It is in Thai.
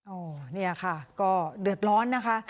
เนี่ยค่ะก็เดือดร้อนนะคะ